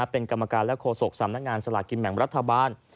เป็นกรรมการและโฆษกสำนักงานสลากกินแบ่งรัฐบาล